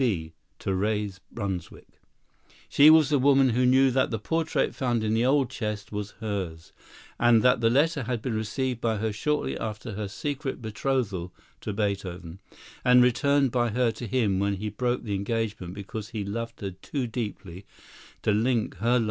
"T. B."—Therese Brunswick. She was the woman who knew that the portrait found in the old chest was hers; and that the letter had been received by her shortly after her secret betrothal to Beethoven, and returned by her to him when he broke the engagement because he loved her too deeply to link her life to his.